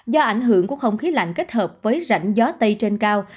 do ảnh hưởng của không khí lạnh kết hợp với rãnh gió tây trên cao